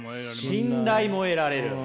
信頼も得られる。